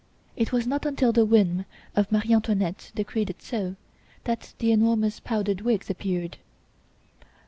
It was not until the whim of Marie Antoinette decreed it so, that the enormous powdered wigs appeared.